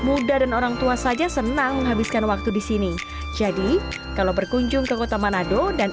muda dan orang tua saja senang menghabiskan waktu di sini jadi kalau berkunjung ke kota manado dan